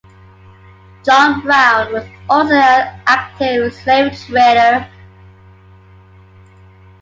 John Brown was also an active slavetrader.